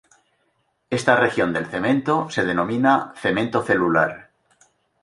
Esta región del cemento se denomina "cemento celular".